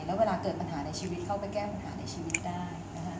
แล้วเวลาเกิดปัญหาในชีวิตเข้าไปแก้ปัญหาในชีวิตได้นะคะ